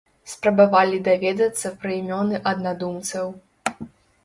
Спрабавалі даведацца пра імёны аднадумцаў.